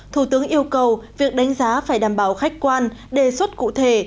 thủ tướng yêu cầu việc đánh giá phải đảm bảo khách quan đề xuất cụ thể